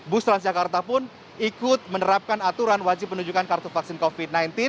bus transjakarta pun ikut menerapkan aturan wajib menunjukkan kartu vaksin covid sembilan belas